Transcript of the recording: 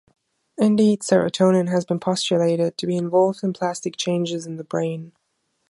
Indeed, serotonin has been postulated to be involved in plastic changes in the brain.